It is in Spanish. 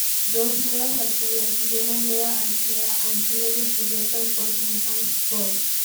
Dos nuevas bacterias y una nueva archaea han sido descubiertas en Champagne Pool.